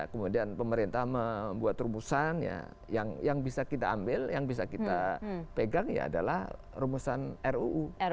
kemudian pemerintah membuat rumusan yang bisa kita ambil yang bisa kita pegang ya adalah rumusan ruu